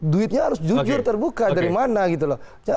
duitnya harus jujur terbuka dari mana